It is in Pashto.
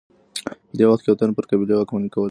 په دې وخت کي یو تن پر قبیلې واکمني کوي.